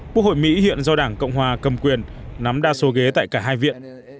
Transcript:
quốc hội mỹ hiện do đảng cộng hòa cầm quyền nắm đa số ghế tại cả hai viện